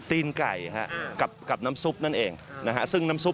ตีนไก่กับน้ำซุปนั่นเอง